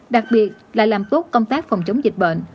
đặc biệt là làm tốt công tác phòng chống dịch bệnh